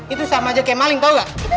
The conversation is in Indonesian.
itu sama aja kayak maling tau gak